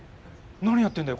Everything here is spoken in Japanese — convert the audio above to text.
何やってんだよ？